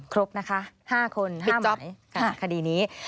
ครบนะคะ๕คน๕จ๊อปคดีนี้